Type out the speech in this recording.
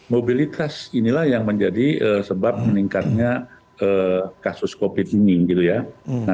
mobilitas inilah yang menjadi sebab meningkatnya kasus covid ini gitu ya